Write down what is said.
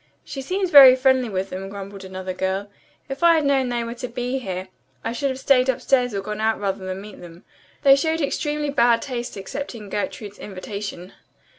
"She seems very friendly with them," grumbled another girl. "If I had known they were to be here I should have stayed upstairs or gone out rather than meet them. They showed extremely bad taste accepting Gertrude's invitation."